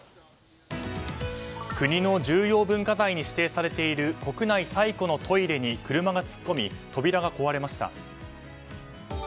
国の重要文化財に指定されている国内最古のトイレに車が突っ込み扉が壊れました。